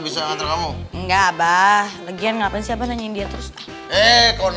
bisa ngantre kamu enggak abah legian ngapain siapa nanyain dia terus eh